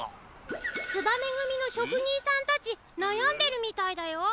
つばめぐみのしょくにんさんたちなやんでるみたいだよ。